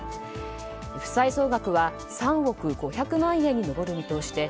負債総額は３億５００万円に上る見通しで